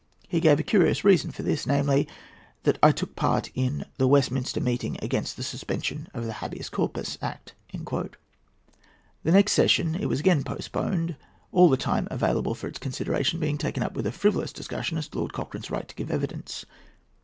He gave a curious reason for this, namely, that I took part at the Westminster meeting against the suspension of the Habeas Corpus Act!" At the next session it was again postponed, all the time available for its consideration being taken up with a frivolous discussion as to Lord Cochrane's right to give evidence.